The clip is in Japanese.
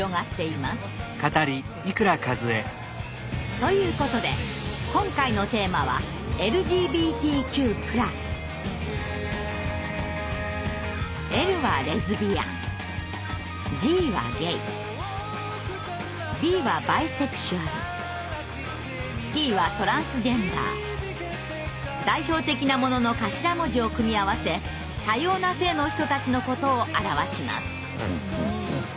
ということで今回のテーマは代表的なものの頭文字を組み合わせ多様な性の人たちのことを表します。